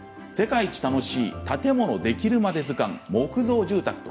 「世界で一番楽しい建物ができるまで図鑑木造住宅」。